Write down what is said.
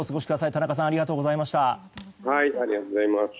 田中さんありがとうございました。